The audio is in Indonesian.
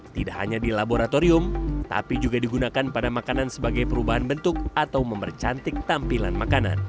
tidak hanya di laboratorium tapi juga digunakan pada makanan sebagai perubahan bentuk atau mempercantik tampilan makanan